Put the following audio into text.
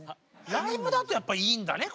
ライブだとやっぱいいんだね。